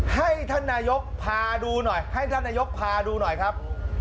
ให้ท่านนายกพาดูหน่อยให้ท่านนายกพาดูหน่อยครับ